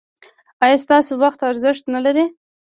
ایا ستاسو وخت ارزښت نلري؟